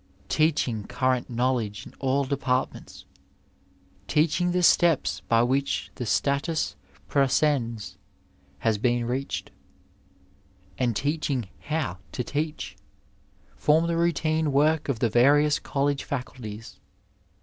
Teaching current knowledge in all departments, teaching the steps by which the status priBsens has been reached, and teaching how to teach, form the routine work of the various college faculties.